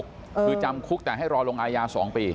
คือจำคุกแต่ให้รอลงอายา๒ปี